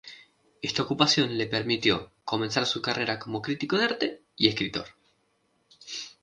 Esta ocupación le permitió comenzar su carrera como crítico de arte, y escritor.